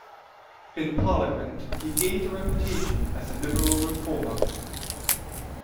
In Parliament he gained a reputation as a liberal reformer.